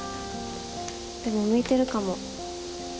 でも向いてるかも。